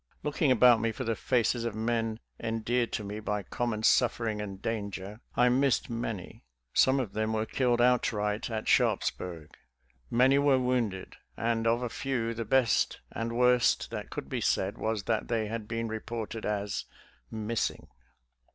Looking about me for the faces of men endeared to me by common suffering and danger, I missed many. Some of them were killed outright at Sharpsburg; many were wounded, and of a few, the best and worst that could be said was that they had been reported as " missing."